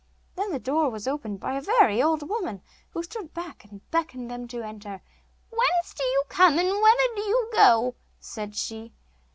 Then the door was opened by a very old woman who stood back, and beckoned them to enter. 'Whence do you come, and whither do you go?' said she.